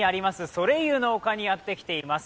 ソレイユの丘にやってきています。